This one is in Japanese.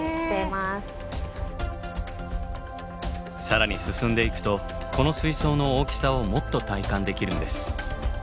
更に進んでいくとこの水槽の大きさをもっと体感できるんです。